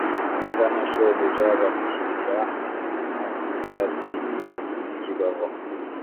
Imbwa na shobuja bakinira inyuma yicyatsi kibamo